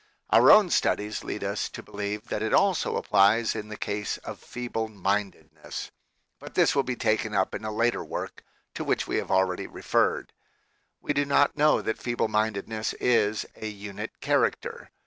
Our own studies lead us to believe that it also applies in the case of feeble mindedness, but this will be taken up in a later work to which we have already referred. We do not know that feeble mindedness is a "unit character."